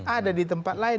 ada di tempat lain